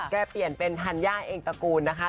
เปลี่ยนเป็นธัญญาเองตระกูลนะคะ